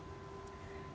kita akan lihat